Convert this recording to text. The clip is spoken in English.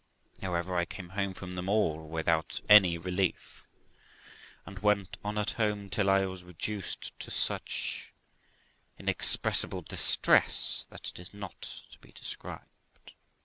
However, I came home from them all without any relief, and went on at home till I was reduced to such inexpressible distress that is not to be described.